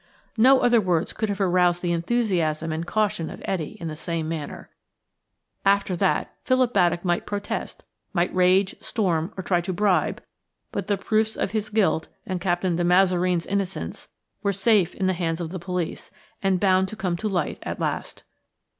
No other words could have aroused the enthusiasm and caution of Etty in the same manner. After that Philip Baddock might protest, might rage, storm, or try to bribe, but the proofs of his guilt and Captain de Mazareen's innocence were safe in the hands of the police, and bound to come to light at last.